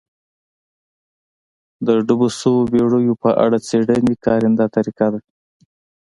د ډوبو شویو بېړیو په اړه څېړنې کارنده طریقه ده